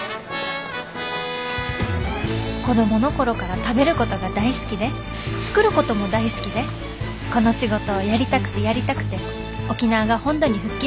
子供の頃から食べることが大好きで作ることも大好きでこの仕事をやりたくてやりたくて沖縄が本土に復帰した年に上京してきました